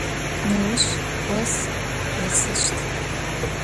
Nêuş vos khêsışt.